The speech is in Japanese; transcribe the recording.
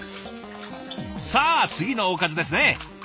さあ次のおかずですね。